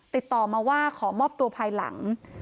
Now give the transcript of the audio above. ติดต่อมาว่าขอมอบตัวภายหลัง